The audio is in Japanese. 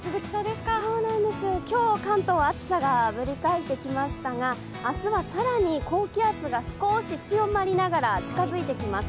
今日関東、暑さがぶり返してきましたが、明日は更に高気圧が少し強まりながら近づいてきます。